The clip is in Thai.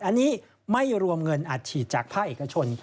อันนี้ไม่รวมเงินอัดฉีดจากภาคเอกชน